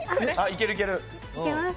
いけます。